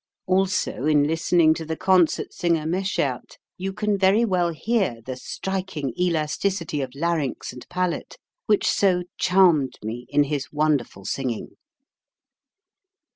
Also in listening to the concert singer Meschaert you can very well hear the striking elasticity of larynx and palate, which so charmed me in his wonderful singing.